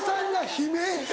悲鳴。